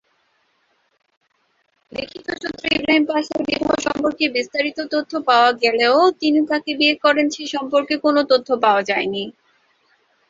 লিখিত সূত্রে ইব্রাহিম পাশার বিবাহ সম্পর্কে বিস্তারিত তথ্য পাওয়া গেলেও তিনি কাকে বিয়ে করেন সে সম্পর্কে কোনও তথ্য পাওয়া যায়নি।